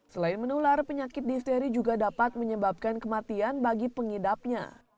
selain menular penyakit difteri juga dapat menyebabkan kematian bagi pengidapnya